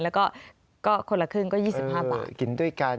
แล้วก็คนละครึ่งก็๒๕บาท